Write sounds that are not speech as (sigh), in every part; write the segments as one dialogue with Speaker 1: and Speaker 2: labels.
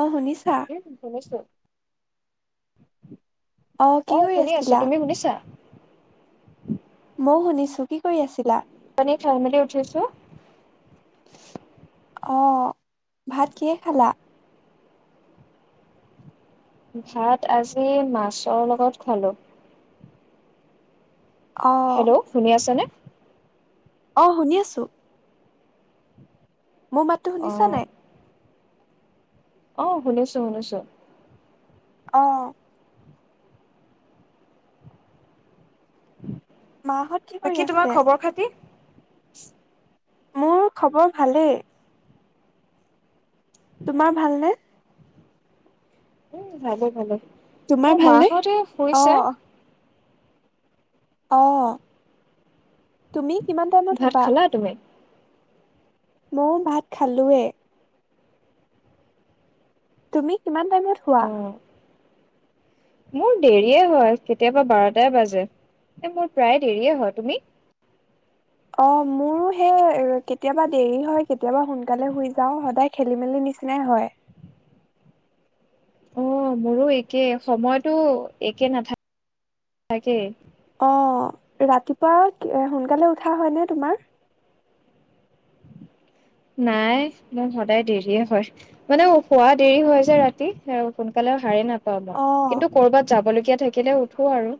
Speaker 1: অ শুনিছা কি
Speaker 2: অ',
Speaker 1: কৰি
Speaker 2: শুনি আছো,
Speaker 1: আছিলা
Speaker 2: তুমি শুনিছা? (inaudible)
Speaker 1: মইও শুনিছোঁ, কি কৰি আছিলা?
Speaker 2: মানে খাইমেলি উঠিছো।
Speaker 1: অ', ভাত কিহে খালা?
Speaker 2: ভাত আজি মাছৰ লগত খোৱালো
Speaker 1: অ
Speaker 2: হেল্ল' শুনি আছেনে
Speaker 1: অ শুনি আছো মোৰ মাততো
Speaker 2: অ
Speaker 1: শুনিছা নাই
Speaker 2: অ শুনিছো শুনিছো
Speaker 1: আহ মাহত কি কৰি
Speaker 2: বাকী তোমাৰ
Speaker 1: আছে
Speaker 2: খবৰ খাতি অ
Speaker 1: মোৰ খবৰ ভালেই তোমাৰ ভালনে
Speaker 2: উম ভালে ভালে
Speaker 1: তোমাৰ
Speaker 2: মোৰ মা
Speaker 1: ভালনে
Speaker 2: হতে কৈছে
Speaker 1: অঁ তুমি কিমান টাইমত
Speaker 2: ভাত
Speaker 1: থাকা
Speaker 2: খালা তুমি
Speaker 1: ময়ো ভাত খালোৱে তুমি কিমান টাইমত হোৱা
Speaker 2: অ মোৰ দেৰিয়ে হয় কেতিয়াবা বাৰটাই বাজে এ মোৰ প্ৰায় দেৰিয়ে হয় তুমি
Speaker 1: অ মোৰো সেই কেতিয়াবা দেৰি হয় কেতিয়াবা সোনকালে শুই যাও সদায় খেলি মেলি নিচিনাই হয়
Speaker 2: অ মোৰো একে সময়তো একে নাথাকে
Speaker 1: অ ৰাতিপুৱা সোনকালে উঠা হয়নে তোমাৰ
Speaker 2: নাই একদম সদায় দেৰিয়ে হয় মানে খোৱা দেৰি হয় যে ৰাতি সোনকালেও হাৰে নাপাও অ কিন্তু কৰ'বাত যাবলগীয়া থাকিলে উঠো আৰু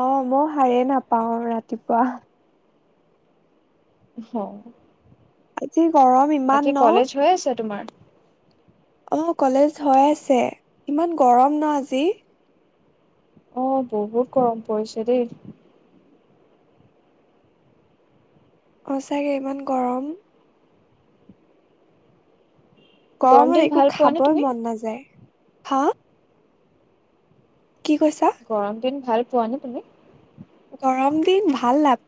Speaker 1: অ মই শায়ে নাপাও ৰাতিপুৱা
Speaker 2: হয়
Speaker 1: ত আজি গৰম ইমান ন
Speaker 2: আছে তোমাৰ?
Speaker 1: অ কলেজ হৈ আছে ইমান গৰম ন আজি
Speaker 2: আহ বহুত গৰম পৰিছো দেই
Speaker 1: অ চাগে ইমান গৰম
Speaker 2: গৰম
Speaker 1: গৰমত
Speaker 2: দিন
Speaker 1: একো
Speaker 2: ভাল পোৱা নে
Speaker 1: খাবই
Speaker 2: তুমি?
Speaker 1: মন নাযায় হা কি কৈছা?
Speaker 2: গৰম দিন ভাল যোৱা ন তুমি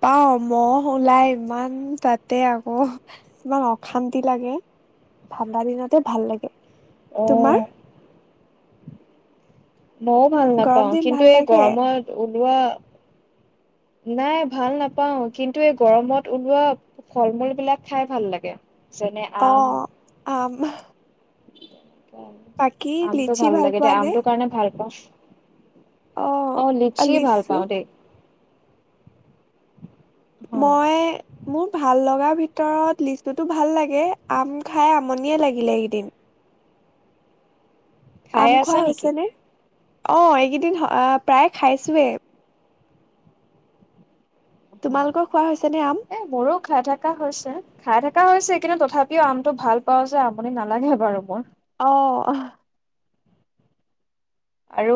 Speaker 1: পাও মহ ওলাই ইমান তাতে আকৌ ইমান অশান্তি লাগে ঠাণ্ডা দিনতে ভাল লাগে
Speaker 2: অ
Speaker 1: তোমাৰ
Speaker 2: মইও ভাল
Speaker 1: গৰম
Speaker 2: নাপাও
Speaker 1: দিন
Speaker 2: কিন্তু
Speaker 1: ভাল
Speaker 2: এই
Speaker 1: লাগে
Speaker 2: গৰমত মই ভাল নাপাওঁ কিন্তু এই গৰমত ওলোৱা ফল মূল বিলাক খাই ভাল লাগে। যেনে আম
Speaker 1: বাহ। বাকী লিচি ভাল পোৱা নে?
Speaker 2: অফ। অ', লিচি ভাল পাওঁ দেই।
Speaker 1: মই মোৰ ভাল লগা। ভিতৰত লিচুতো ভাল লাগে আম খাই আমনিয়ে লাগিলে এইকেইদিন।
Speaker 2: খাই
Speaker 1: আম খোৱা
Speaker 2: আছা নেকি?
Speaker 1: হৈছে নে? অ', এইকেইদিন আহ প্ৰায় খাইছোৱে। তোমালোকৰ খোৱা হৈছেনে আম?
Speaker 2: এ, মোৰো খাই থকা হৈছে খাই থকা হৈছে। কিন্তু তথাপিও আমটো ভাল পাওঁ যে আমুনি নালাগে বাৰু মোৰ।
Speaker 1: অ'।
Speaker 2: আৰু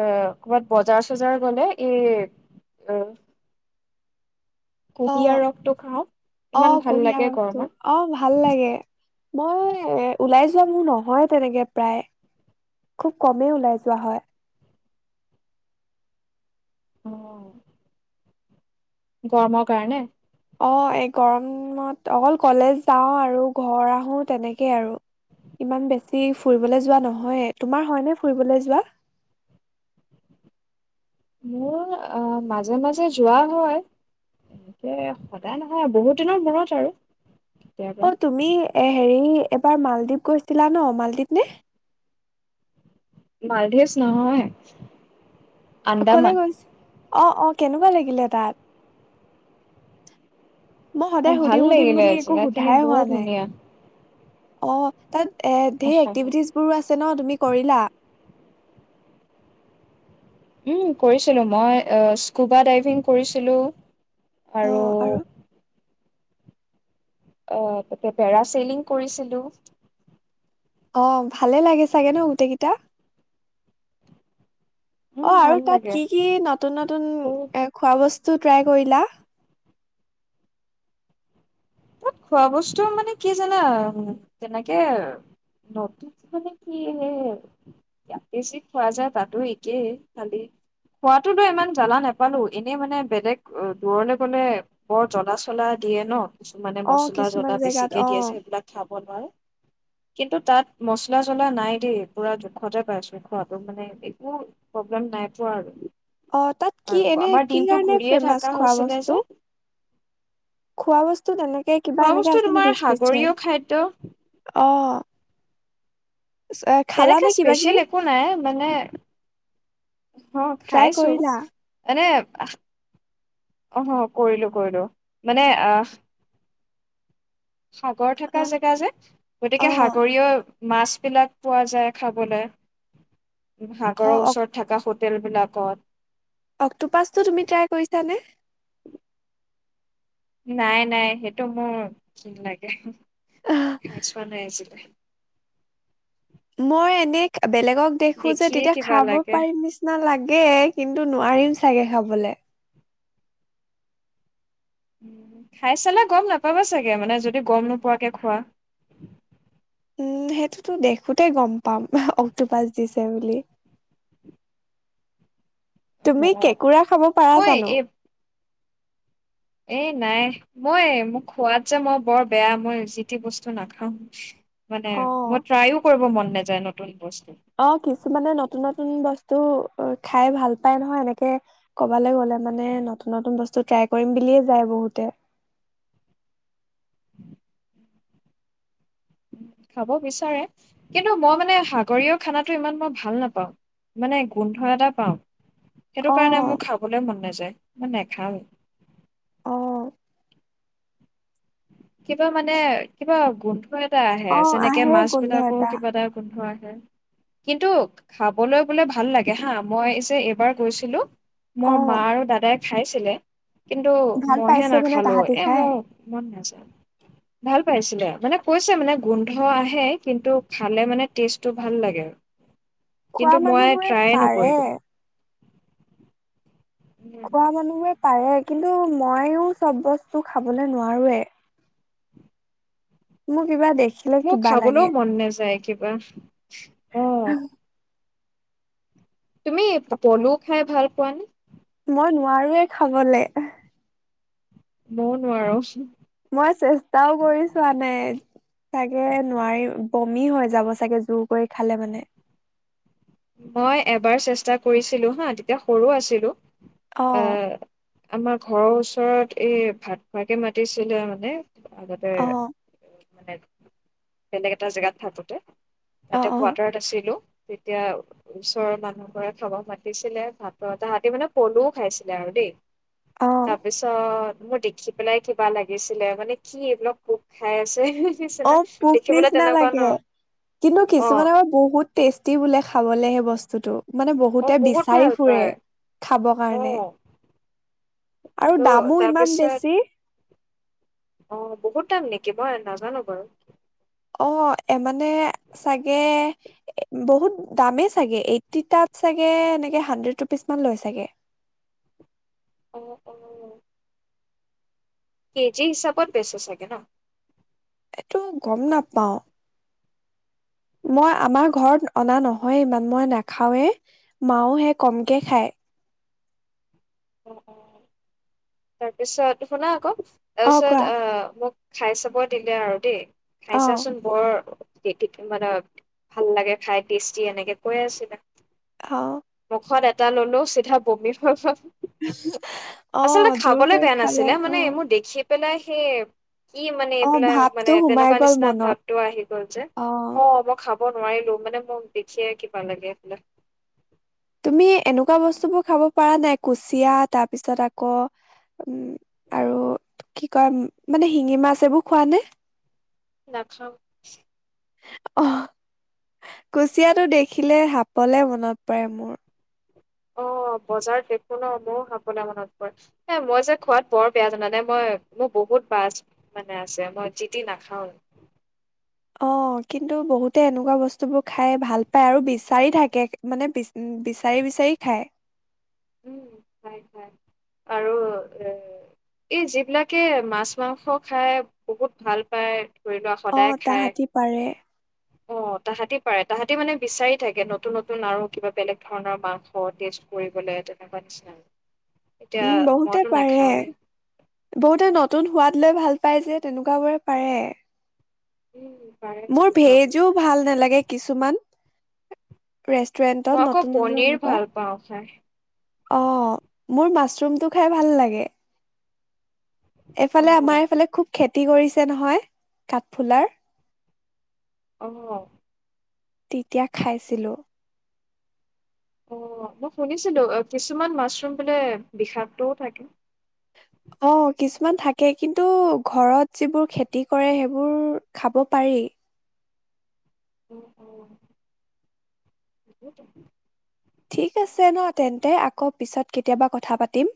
Speaker 2: এ ক'বাত বজাৰ চজাৰ গ'লে এই এ।
Speaker 1: অ',
Speaker 2: কুহিয়াৰ ৰসটো খাওঁ ইমান
Speaker 1: অ',
Speaker 2: ভাল
Speaker 1: কুঁহিয়াৰ
Speaker 2: লাগে
Speaker 1: ৰসটো অ', ভাল
Speaker 2: গৰমত।
Speaker 1: লাগে। মই এ, ওলাই যোৱা মুৰ নহয় তেনেকে প্ৰায় খুব কমেই ওলাই যোৱা হয়।
Speaker 2: অ'। গৰমৰ কাৰণে।
Speaker 1: অ', এই গৰমত দিনত অকল কলেজ যাওঁ আৰু ঘৰ আহো তেনেকেই আৰু ইমান বেছি ফুৰিবলৈ যোৱা নহয়ে, তোমাৰ হয়নে ফুৰিবলৈ যোৱা?
Speaker 2: মোৰ অ', মাজে মাজে যোৱা হয় এনেকে সদায় নহয় বহুত দিনৰ মূৰত আৰু। কেতিয়াবা
Speaker 1: অ', তুমি এ হেৰি এবাৰ মালদ্বীপ গৈছিলা ন' মালদ্বীপ নে?
Speaker 2: মালধিভছ নহয়।
Speaker 1: অ', ক'লে
Speaker 2: আন্দামান
Speaker 1: গৈছে। অ', অ', কেনেকুৱা লাগিলে তাত? মই
Speaker 2: অ',
Speaker 1: সদায়
Speaker 2: ভাল
Speaker 1: সুধিম সুধিম
Speaker 2: লাগিলে
Speaker 1: বুলি একো
Speaker 2: জগাখিনি
Speaker 1: সোধাই হোৱা
Speaker 2: বৰ
Speaker 1: নাই
Speaker 2: ধুনিয়া।
Speaker 1: অ'। তাত এ ধেৰ এক্টিভিটিজ বোৰো আছে ন' তুমি কৰিলা?
Speaker 2: উম, কৰিছিলো মই স্কুবা ডাইভিং কৰিছিলো। আৰু অ', তাতে পেৰা চেলিং কৰিছিলো।
Speaker 1: অ', ভালে লাগে চাগে ন' গোটেইকেইটা।
Speaker 2: উম,
Speaker 1: অ', আৰু
Speaker 2: ভাল
Speaker 1: তাত
Speaker 2: লাগে।
Speaker 1: কি কি নতুন নতুন
Speaker 2: আৰু
Speaker 1: এ খোৱা বস্তু ত' ট্ৰাই কৰিলা।
Speaker 2: তাত খোৱা বস্তু মানে কি জানা তেনেকে নতুন মানে কি বেছি খোৱা যায় তাতো একেই খালি খোৱাতোতো ইমান জ্বালা নাপালো এনেই মানে বেলেগ দূৰলে গলে বৰ জ্বলা চলা দিয়ে ন'। কিছুমানে
Speaker 1: অ
Speaker 2: মছলা
Speaker 1: কিছুমান
Speaker 2: জদা
Speaker 1: জেগাত
Speaker 2: বেছিকে
Speaker 1: অ
Speaker 2: দিয় আছে সেইবিল খাব (unintelligible) কিন্তু তাত মচলা জলা নাই দেই, পুৰা জোখতে পাইছো খোৱাটো মানে একো প্ৰব্লেম নাই পোৱা আৰু।
Speaker 1: অ', তাত কি
Speaker 2: আৰু
Speaker 1: এনে,
Speaker 2: আমাৰ
Speaker 1: কি
Speaker 2: দিনটো
Speaker 1: কাৰণে
Speaker 2: ঘূৰিয়ে
Speaker 1: ফেমাচ
Speaker 2: থকা
Speaker 1: খোৱা
Speaker 2: হৈছিলে যে
Speaker 1: বস্তু? খোৱা বস্তু তেনেকে কিবা
Speaker 2: খোৱা
Speaker 1: এনেকে
Speaker 2: বস্তু
Speaker 1: আছে
Speaker 2: তোমাৰ
Speaker 1: নেকি স্পেচিয়েল?
Speaker 2: সাগৰীয় খাদ্য
Speaker 1: অ'। চ- খালা
Speaker 2: তেনেকে
Speaker 1: নে কিবা কিবি
Speaker 2: স্পেচিয়েল একো নাই মানে, অ',
Speaker 1: ট্ৰাই
Speaker 2: খাইছো
Speaker 1: কৰিলা?
Speaker 2: এনে আহ, অহ, কৰিলো কৰিলো মানে, আহ সাগৰ থকা
Speaker 1: অ',
Speaker 2: জেগা যে, গতিকে
Speaker 1: অ',
Speaker 2: সাগৰীয় মাছবিলাক পোৱা যায় খাবলে। সাগৰৰ
Speaker 1: অ',
Speaker 2: ওচৰত থকা তেলবিলাকত।
Speaker 1: অক্টোপাচটো তুমি ট্ৰাই কৰিছানে?
Speaker 2: নাই নাই, সেইটো মোৰ ঘিন লগে।
Speaker 1: আহ,
Speaker 2: (unintelligible) হৈ আছিলে।
Speaker 1: মই এনে বেলেগক দেখো যে
Speaker 2: দেখিয়ে
Speaker 1: তেতিয়া
Speaker 2: কিবা
Speaker 1: খাব
Speaker 2: লাগে
Speaker 1: পাৰিম নিচিনা লাগে, কিন্তু নোৱাৰিম চাগে খাবলে।
Speaker 2: খাই চালে গম নাপাবা চাগে, মানে যদি গম নোপোৱাকে খোৱা।
Speaker 1: উম, সেইটোতো দেখোতেই গম পাম অক্টোপাছ দিছে বুলি। তুমি কেঁকুৰা খাব পাৰা
Speaker 2: মই
Speaker 1: জানো?
Speaker 2: এই এই নাই, মই মোক খোৱাত যে মই বৰ বেয়া, মই জিতি বস্তু নাখাও। মানে মই
Speaker 1: অ',
Speaker 2: ট্ৰাইও কৰিব মন নাযায় নতুন বস্তু।
Speaker 1: অ', কিছুমানে নতুন নতুন বস্তু খাই ভাল পাই নহয়, এনেকে কবালৈ গলে মানে নতুন নতুন বস্তু ট্ৰাই কৰিম বুলিয়ে যায় বহুতে।
Speaker 2: খাব বিচাৰে, কিন্তু মই মানে সাগৰীয় খানাটো ইমান মই ভাল নাপাওঁ, মানে গোন্ধ এটা পাওঁ। সেইটো কাৰণে
Speaker 1: অ',
Speaker 2: মোৰ খাবলৈ মন নাই যায়, মই নেখাওঁ
Speaker 1: অ',
Speaker 2: কিবা মানে, কিবা গোন্ধ এটা আহে,
Speaker 1: অ',
Speaker 2: (unintelligible) একে
Speaker 1: আহে
Speaker 2: মাছ
Speaker 1: গোন্ধ
Speaker 2: বিলাকৰো কিবা এটা গোন্ধ আহে। কিন্তু খাবলৈ বোলে ভাল লাগে হা, মই যে এইবাৰ গৈছিলো মোৰ
Speaker 1: অ'।
Speaker 2: মা আৰু দাদাই খাইছিলে। কিন্তু
Speaker 1: ভাল
Speaker 2: মইহে
Speaker 1: পাইছে মানে
Speaker 2: নাখালো,
Speaker 1: তাহাঁতি
Speaker 2: এ
Speaker 1: খাই
Speaker 2: মোক ভাল পাইছিলে, মানে কৈছে মানে গোন্ধ আহে কিন্তু খালে মানে টেষ্টটো ভাল লাগে।
Speaker 1: খোৱা
Speaker 2: কিন্তু মই
Speaker 1: মানুহবোৰে
Speaker 2: ট্ৰায়ে
Speaker 1: পাৰে
Speaker 2: নকৰিলোঁ
Speaker 1: খোৱা মানুহে পাৰে কিন্তু মইও চব বস্তু খাবলৈ নোৱাৰোৱে মোক কিবা দেখ
Speaker 2: মোৰ খাবলৈও মন নাযায়। কিবা। অ
Speaker 1: আহ।
Speaker 2: তুমি পলু খাই ভাল পোৱানে?
Speaker 1: মই নোৱাৰোয়ে খাবলে।
Speaker 2: মইও নোৱাৰোঁ
Speaker 1: মই চেষ্টাও কৰিছোৱা নাই চাগে নোৱাৰি বমি হৈ যাব চাগে জোৰ কৰি খালে মানে
Speaker 2: মই এবাৰ চেষ্টা কৰিছিলো হা তেতিয়া সৰু আছিলো। অ আমাৰ। ঘৰৰ ওচৰত এই ভাত খোৱাকে মাতিছিলে মানে আগতে।
Speaker 1: অ
Speaker 2: মানে বেলেগ এটা জেগাত থাকোতে।
Speaker 1: অ
Speaker 2: তাতে
Speaker 1: অ
Speaker 2: কোৱাৰ্টাৰত আছিলো। তেতিয়া। ওচৰৰ মানুহ ঘৰে খাব মাতিছিলে ভাতৰ তাহতি মানে পলুও খাইছিলে আৰু দেই।
Speaker 1: অ
Speaker 2: তাৰপিছত মোৰ দেখি পেলাই কিবা লাগিছিলে মানে কি এইবিলাক পোক খাই আছে।
Speaker 1: অ
Speaker 2: নিচিনা
Speaker 1: পোক
Speaker 2: দেখিবলৈ
Speaker 1: নিচিনা
Speaker 2: তেনেকুৱা ন
Speaker 1: লাগে কিন্তু
Speaker 2: অ
Speaker 1: কিছুমানৰ বহুত টেষ্ট। কি বোলে খাবলে হে বস্তুটো। মানে
Speaker 2: অ
Speaker 1: বহুতে
Speaker 2: বহুত
Speaker 1: বিচাৰি
Speaker 2: ভাল
Speaker 1: ফুৰে
Speaker 2: পায়
Speaker 1: খাব
Speaker 2: অ
Speaker 1: কাৰণে। আৰু
Speaker 2: কিন্তু
Speaker 1: দামো ইমান
Speaker 2: তাৰপিছত
Speaker 1: বেছি।
Speaker 2: অ বহুত দাম নেকি মই নাজানো বাৰু
Speaker 1: অ মানে চাগে বহুত দামেইচাগে এই এইতিত তাত এনে হানডেট ৰুপিচমান লৈ চাগে।
Speaker 2: অ উ কেজি হিচাপত বেচে চাগে ন?
Speaker 1: এইটো গম নাপাও। মই আমাৰ ঘৰত অনা নহয় ইমান মই নাখাওৱে মাও হে কমকে খায়।
Speaker 2: অ তাৰপিছত শুনা আকৌ
Speaker 1: অ
Speaker 2: তাৰপিছত
Speaker 1: কোৱা
Speaker 2: আহ মোক খাই চাব দিলে আৰু দেই খাই
Speaker 1: অ
Speaker 2: চাচোন বৰ মানে ভাল লাগে খাই টেষ্টি এনেকে কৈ আছিলে।
Speaker 1: অ
Speaker 2: মোখত এটা ললো চিধা বমিৰ হয় গল
Speaker 1: অ
Speaker 2: আচলতে
Speaker 1: জোৰ
Speaker 2: খাবলে
Speaker 1: কৰি
Speaker 2: বেয়া
Speaker 1: খালে
Speaker 2: নাছিলে মানে
Speaker 1: অ
Speaker 2: মোৰ দেখি পেলাই সেই কি মানে
Speaker 1: অ
Speaker 2: এইবিলাক মানে
Speaker 1: ভাৱটো সোমাই
Speaker 2: তেনেকুৱা
Speaker 1: গল
Speaker 2: নিচিনা
Speaker 1: মনত
Speaker 2: ভাবটো আহি গ'ল যে অ মই খাব কাব নোৱাৰিলো মানে মোৰ দেখিয়ে কিবা লাগে এইবিলাক
Speaker 1: তুমি এনেকুৱা বস্তুবোৰ খাব পৰা নাই কুচিয়া তাৰ পিছত আকৌ উ আৰু কি কয় মানে শিঙি মাছ এইবোৰ খোৱা নে
Speaker 2: নাখাওঁ
Speaker 1: অ কুচিয়াটো দেখিলে সাপলে মনত পৰে মোৰ
Speaker 2: অ বজাৰত দেখো ন ময়ো খাবলৈ মনত পৰে এ মই যে খোৱাত বৰ বেয়া জানানে মই মোৰ বহুত বাছ মানে আছে মই যি টি নাখাওঁ
Speaker 1: অ কিন্তু বহুতে এনেকুৱা বস্তুবোৰ খাই ভাল পায় আৰু বিচাৰি থাকে মানে বিচাৰি বিচাৰি খায়
Speaker 2: উম আৰু এ এই যিবিলাকে মাছ মাংস খাই বহুত ভাল পায় ধৰি লোৱা
Speaker 1: অ
Speaker 2: সদায় খায়।
Speaker 1: তাহাঁতি পাৰে
Speaker 2: অ তাহাঁতি পাৰে তাহাঁতি মানে বিচাৰি থাকে নতুন নতুন আৰু কিবা বেলেগ ধৰণৰ মাংস টেষ্ট কৰিবলে তেনেকোৱা নিচিনা এতিয়া
Speaker 1: উম বহুতে
Speaker 2: মইতো
Speaker 1: পাৰে
Speaker 2: নাখাওঁৱেই।
Speaker 1: বহুতে নতুন হোৱাত লৈ ভাল পাই যে তেনেকুৱ বোৰে পাৰে
Speaker 2: উম পাৰে
Speaker 1: মোৰ
Speaker 2: তেনেকুৱাবোৰ
Speaker 1: ভেইজো ভাল নালাগে কিছুমান ৰেষ্টুৰেন্টত
Speaker 2: মই আকৌ
Speaker 1: নতুন নতুন
Speaker 2: পনীৰ
Speaker 1: এনেকুৱা।
Speaker 2: ভাল পাওঁ খাই
Speaker 1: অ মোৰ মাছৰুমটো খাই ভাল লাগে এইফালে
Speaker 2: অ'।
Speaker 1: আমাৰ এইফালে খুব খেতি খেতি কৰিছে নহয় কাঠফুলাৰ
Speaker 2: অহ
Speaker 1: তেতিয়া খাইছিলো
Speaker 2: অ মই শুনিছিলো কিছুমান মাছৰুম বোলে বিষাক্তও থাকে।
Speaker 1: অ কিছুমান থাকে কিন্তু ঘৰত যিবোৰ খেতি কৰে সেইবোৰ খাব পাৰি।
Speaker 2: উম উ
Speaker 1: ঠিক আছে ন তেন্তে আকৌ পিছত কেতিয়াবা কথা পাতিম।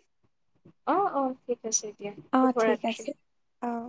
Speaker 2: অ অ ঠিক আছে দিয়া
Speaker 1: অ
Speaker 2: শুভ
Speaker 1: ঠিক
Speaker 2: ৰাত্ৰি
Speaker 1: আছে অ